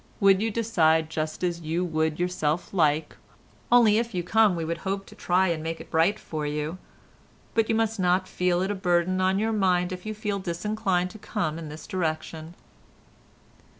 Would you decide just as you would yourself like, only if you come we would hope to try and make it bright for you; but you must not feel it a burden on your mind if you feel disinclined to come in this direction."